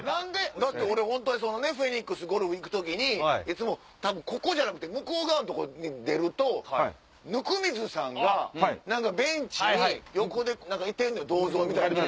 だって俺フェニックスにゴルフ行く時ここじゃなくて向こう側の所に出ると温水さんがベンチに横でいてんのよ銅像みたいなの。